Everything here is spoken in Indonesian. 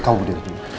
kamu berdiri dulu